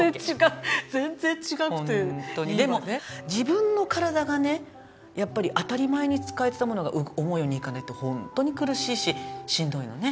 ホントにでも自分の体がねやっぱり当たり前に使えてたものが思うようにいかないってホントに苦しいししんどいのね。